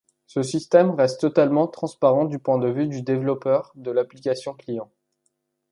Ce système reste totalement transparent du point de vue du développeur de l'application client.